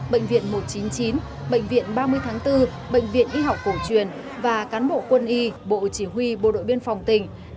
bệnh viện một trăm chín mươi chín bệnh viện ba mươi tháng bốn bệnh viện y học cổ truyền và cán bộ quân y bộ chỉ huy bộ đội biên phòng tỉnh